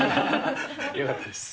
よかったです。